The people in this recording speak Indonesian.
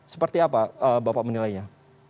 seperti apa bapak menilainya